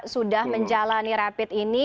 sudah menjalani rapid ini